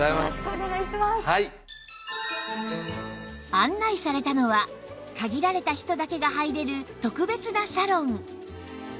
案内されたのは限られた人だけが入れる特別なサロン